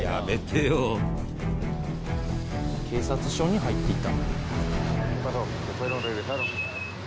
警察署に入っていった。